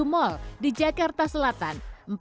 dua puluh tujuh mal di jakarta selatan